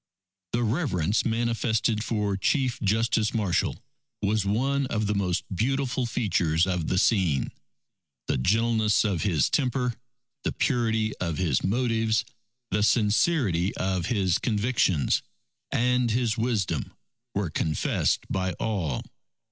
The reverence manifested for Chief Justice Marshall, was one of the most beautiful features of the scene. The gentleness of his temper, the purity of his motives, the sincerity of his convictions and his wisdom, were confessed by all.